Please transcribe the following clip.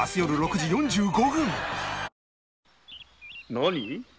何？